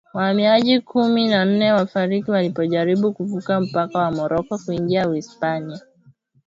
Wahamiaji kumi na nane wafariki walipojaribu kuvuka mpaka wa Morocco kuingia Uhispania